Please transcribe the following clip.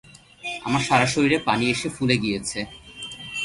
আমার সারা শরীরে পানি এসে ফুলে গিয়েছে।